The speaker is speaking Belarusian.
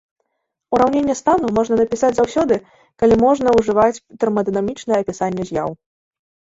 Ураўненне стану можна напісаць заўсёды, калі можна ўжываць тэрмадынамічнае апісанне з'яў.